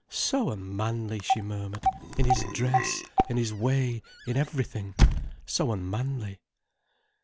"So unmanly!" she murmured. "In his dress, in his way, in everything—so unmanly."